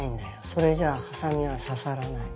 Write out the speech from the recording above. それじゃハサミは刺さらない。